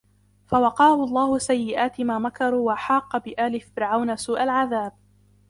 فوقاه الله سيئات ما مكروا وحاق بآل فرعون سوء العذاب